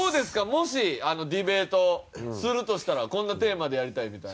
もしディベートするとしたらこんなテーマでやりたいみたいな。